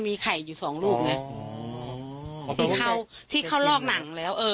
มีไข่อยู่สองลูกนะที่เข้าที่เข้าลอกหนังแล้วเออ